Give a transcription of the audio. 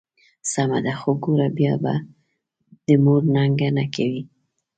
سمه ده، خو ګوره بیا به د مور ننګه نه کوې.